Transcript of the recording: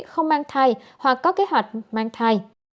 không mang thai hoặc có kế hoạch mang thai